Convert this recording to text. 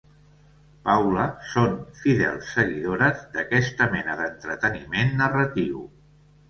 Paula són fidels seguidores d'aquesta mena d'entreteniment narratiu.